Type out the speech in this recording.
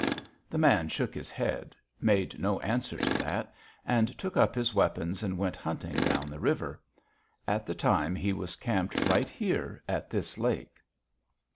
"The man shook his head, made no answer to that, and took up his weapons and went hunting down the river. At the time he was camped right here at this lake.